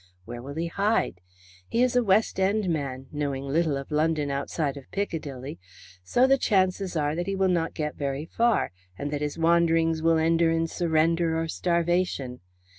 Where will he hide? He is a West End man, knowing little of London outside of Piccadilly, so the chances are that he will not get very far, and that his wanderings will end in surrender or starvation.